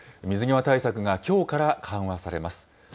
水際対策がきょうから緩和されます。